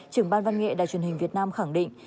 trưởng ban văn nghệ đài truyền hình việt nam khẳng định